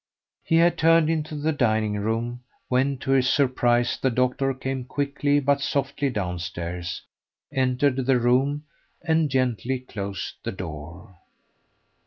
He had turned into the dining room, when to his surprise the doctor came quickly but softly downstairs, entered the room, and gently closed the door.